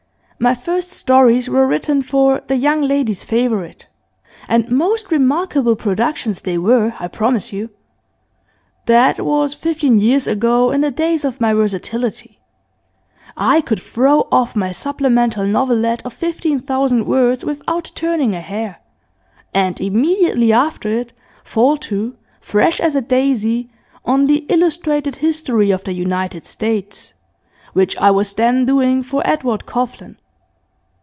My first stories were written for "The Young Lady's Favourite," and most remarkable productions they were, I promise you. That was fifteen years ago, in the days of my versatility. I could throw off my supplemental novelette of fifteen thousand words without turning a hair, and immediately after it fall to, fresh as a daisy, on the "Illustrated History of the United States," which I was then doing for Edward Coghlan.